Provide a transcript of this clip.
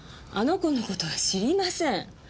あの子の事は知りません。